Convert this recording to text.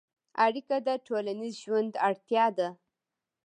اړیکه د ټولنیز ژوند اړتیا ده.